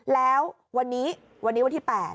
แล้ววันนี้วันที่๘